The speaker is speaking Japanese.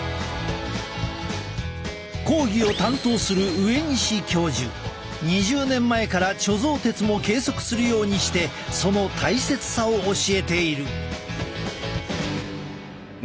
講義を担当する２０年前から貯蔵鉄も計測するようにしてその大切さを教えている。